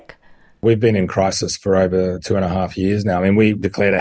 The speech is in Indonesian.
kami telah berada dalam krisis selama dua lima tahun sekarang